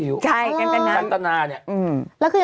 กันตนารวยมาจากละครวิทยุจันตนาเนี่ยอืม